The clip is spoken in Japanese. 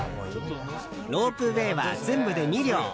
ロープウェーは全部で２両。